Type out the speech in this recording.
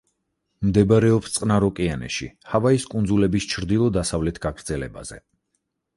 მდებარეობს წყნარ ოკეანეში, ჰავაის კუნძულების ჩრდილო-დასავლეთ გაგრძელებაზე.